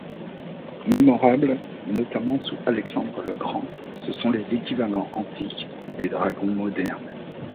Mémorables notamment sous Alexandre le Grand, ce sont les équivalent antiques des dragons modernes.